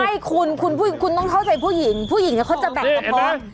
ใช่คุณคุณต้องเข้าใจผู้หญิงผู้หญิงเขาจะแบ่งกระเพาะ